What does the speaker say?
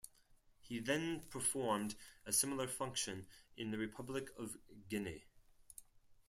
He then performed a similar function in the Republic of Guinea.